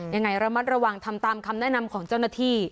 ยังไงระมัดระวังทำตามคำแนะนำของเจ้าหน้าที่